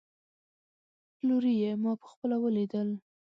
پلوري يې، ما په خپله وليدل